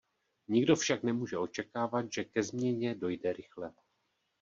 Nikdo však nemůže očekávat, že ke změně dojde rychle.